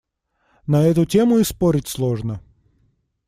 На эту тему и спорить сложно.